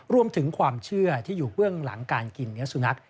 รวมถึงความเชื่อที่อยู่เบื้องหลังการกินเนื้อสุนัข